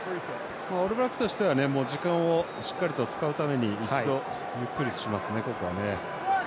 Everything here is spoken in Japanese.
オールブラックスとしては時間をしっかりと使うために一度、ゆっくりしますね、ここは。